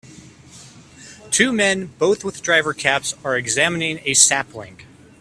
Two men both with driver caps are examining a sapling